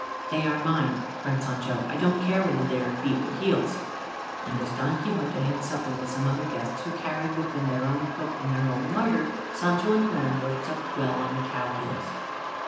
"They are mine," cried Sancho. "I don't care whether they are feet or heels." And as Don Quixote had supper with some other guests who carried with them their own cook and their own larder, Sancho and the landlord supped well on the cow heels.